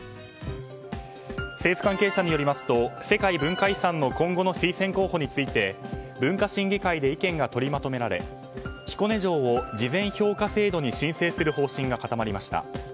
政府関係者によりますと世界文化遺産の今後の推薦候補について文化審議会で意見が取りまとめられ彦根城を事前評価制度に申請する方針が固まりました。